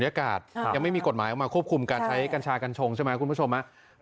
สูญอากาศจนไม่มีกฎหมายของควบคุมการใช้กัญชากัญชงใช่มั้ยคุณผู้ชม